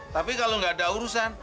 tapi kalau nggak ada urusan